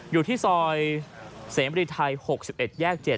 อยู่ที่ซอยเสมริไทย๖๑แยก๗